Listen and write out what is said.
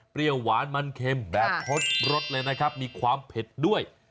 หวานมันเค็มแบบทดรสเลยนะครับมีความเผ็ดด้วย